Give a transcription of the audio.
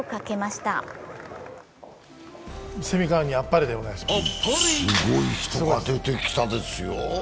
すごい人が出てきたですよ。